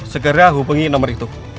segera hubungi nomer itu